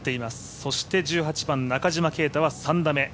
そして１８番、中島啓太は３打目。